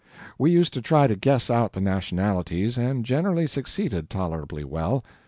We used to try to guess out the nationalities, and generally succeeded tolerably well.